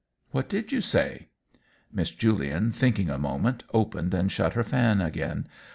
" What did you say ?" Miss Julian, thinking a moment, opened and shut her fan again.